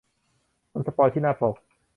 มันสปอยล์ที่หน้าปก